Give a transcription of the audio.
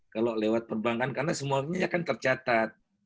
kalau lewat perbankan karena semuanya akan tercatat